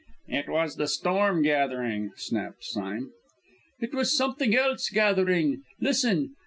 "It was the storm gathering," snapped Sime. "It was something else gathering! Listen!